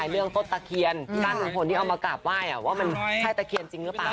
เรื่องต้นตะเคียนที่บ้านลุงพลที่เอามากราบไหว้ว่ามันใช่ตะเคียนจริงหรือเปล่า